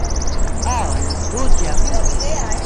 Ah ! le beau diamant !